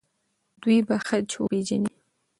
دوی به خج وپیژني.